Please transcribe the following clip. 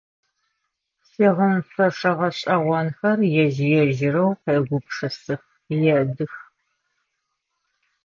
Щыгъын шъошэ гъэшӏэгъонхэр ежь-ежьырэу къеугупшысых, едых.